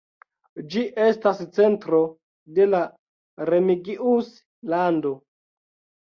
Ĝi estas centro de la Remigius-lando.